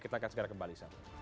kita akan segera kembali